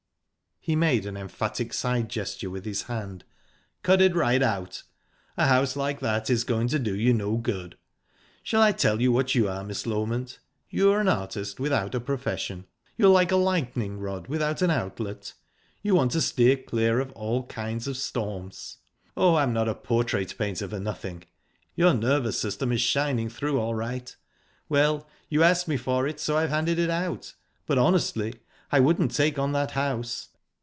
He made an emphatic side gesture with his hand. "Cut it right out. A house like that is going to do you no good. Shall I tell you what you are, Miss Loment? You're an artist without a profession. You're like a lightning rod without an outlet you want to steer clear of all kinds of storms. Oh, I'm not a portrait painter for nothing. Your nervous system is shining through all right...Well, you asked me for it, so I've handed it out. But honestly, I wouldn't take on that house.